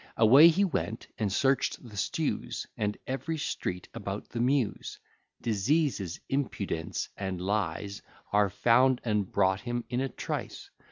Away he went, and search'd the stews, And every street about the Mews; Diseases, impudence, and lies, Are found and brought him in a trice.